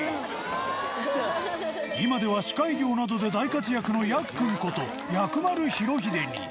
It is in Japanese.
今では司会業などで大活躍のやっくんこと薬丸裕英に。